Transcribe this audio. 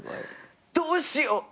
「どうしよう！？